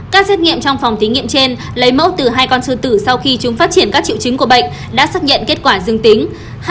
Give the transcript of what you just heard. các xét nghiệm trong phòng thí nghiệm trên lấy mẫu từ hai con sư tử sau khi chúng phát triển các triệu chứng của bệnh đã xác nhận kết quả dương tính